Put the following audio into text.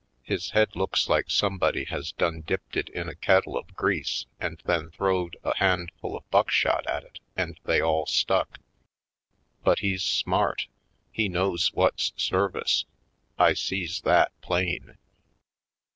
His head looks like somebody has done dipped it in a kettle of grease and then throwed a handful of buckshot at it and they all stuck. But he's smart; he knows what's service. I sees that plain.